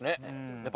やっぱ。